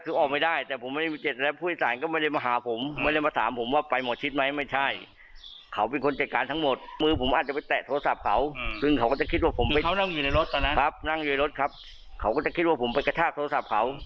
เขาก็จะคิดว่าผมไปกระทากโทรศัพท์เขา